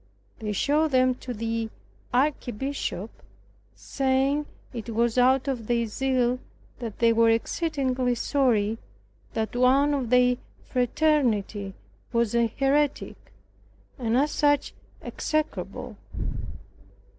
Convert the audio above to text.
They showed them to the Archbishop, saying, It was out of their zeal, and that they were exceedingly sorry that one of their fraternity was an heretic, and as such execrable.